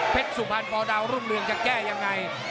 เพชรสุภัณฑ์ปอล์ดาวรุ่นเรืองจะแก้ยังไง